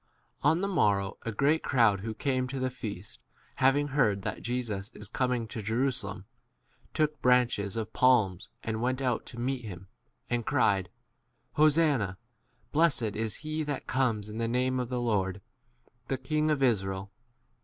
On the morrow a great crowd who came to the feast, having heard that Jesus is coming into Jerusalem, 13 took branches of palms and went out to meet him, and cried, Ho sanna, blessed [is] he that comes in the name of [the] Lord, the 14 king of Israel.